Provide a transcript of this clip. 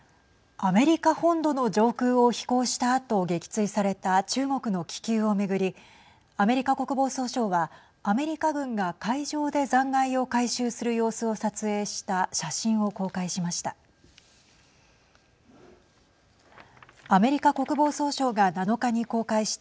アメリカ本土の上空を飛行したあと撃墜された中国の気球を巡りアメリカ国防総省はアメリカ軍が海上で残骸を回収する様子を撮影した写真を公開しました。